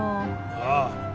ああ。